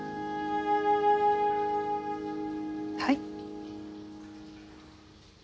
はい。